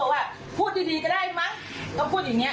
เขาก็พูดอะไรก็ไม่รู้เยอะเนี้ย